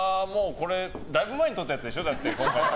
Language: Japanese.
だいぶ前にとったやつでしょ。